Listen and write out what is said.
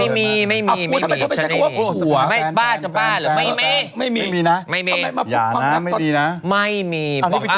ไม่มี